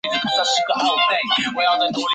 他也代表波黑国家足球队参赛。